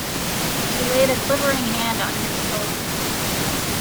She laid a quivering hand on his shoulder.